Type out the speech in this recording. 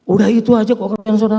udah itu aja kok